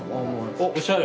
おっおしゃれ。